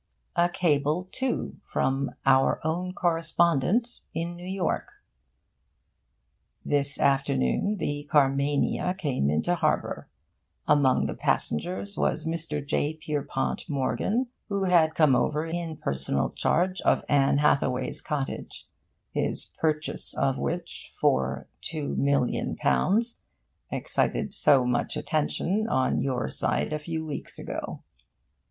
A cable, too, from 'Our Own Correspondent' in New York: This afternoon the Carmania came into harbour. Among the passengers was Mr. J. Pierpont Morgan, who had come over in personal charge of Anne Hathaway's Cottage, his purchase of which for L2,000,000 excited so much attention on your side a few weeks ago.